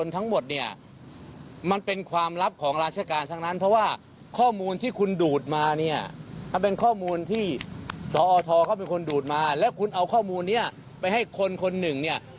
ถ้าเป็นโคศกจะได้รู้ไง